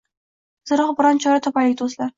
Tezroq biron chora topaylik do’stlar